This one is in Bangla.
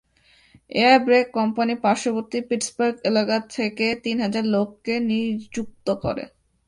এয়ার ব্রেক কোম্পানি পার্শ্ববর্তী পিটসবার্গ এলাকা থেকে তিন হাজার লোককে নিযুক্ত করে।